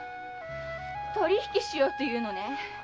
取り引きしようって言うのね。